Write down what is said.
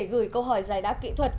gửi câu hỏi giải đáp kỹ thuật